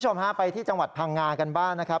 คุณผู้ชมฮะไปที่จังหวัดพังงากันบ้างนะครับ